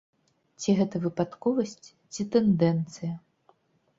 Ці гэта выпадковасць, ці тэндэнцыя?